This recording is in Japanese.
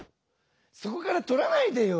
そこからとらないでよ！